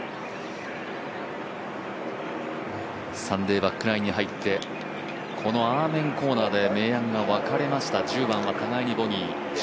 サンデーバックナインに入ってこのアーメンコーナーで明暗が分かれました、１０番は互いにボギー。